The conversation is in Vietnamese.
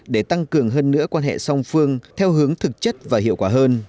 để tăng cường hơn nữa quan hệ song phương theo hướng thực chất và hiệu quả hơn